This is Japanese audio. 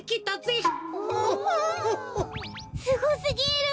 すごすぎる。